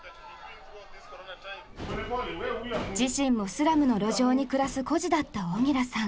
自身もスラムの路上に暮らす孤児だったオギラさん。